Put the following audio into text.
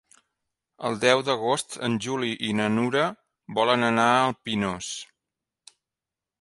El deu d'agost en Juli i na Nura volen anar al Pinós.